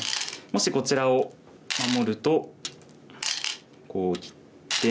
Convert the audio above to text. もしこちらを守るとこうきて。